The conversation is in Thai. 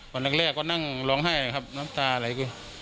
วันแรกก็นั่งร้องไห้นะครับน้ำตาไหล